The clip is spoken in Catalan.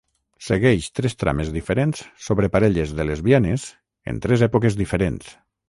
Segueix tres trames diferents sobre parelles de lesbianes en tres èpoques diferents.